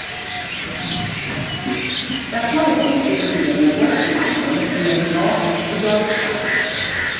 L'attuale conte vive nel West London e nel North Yorkshire.